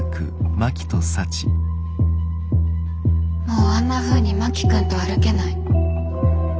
もうあんなふうに真木君と歩けない。